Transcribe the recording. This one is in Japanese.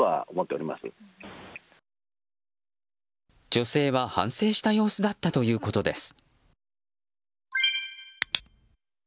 女性は反省した様子だったということです。